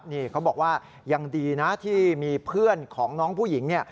นี่เขาบอกว่ายังดีนะที่มีเพื่อนของน้องผู้หญิง